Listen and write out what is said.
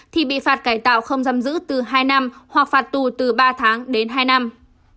thì bị phạt cải tạo không giam giữ từ hai năm hoặc phạt tù từ ba tháng đến hai năm